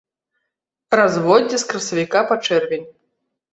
Разводдзе з красавіка па чэрвень.